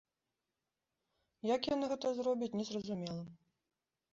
Як яны гэта зробяць, незразумела.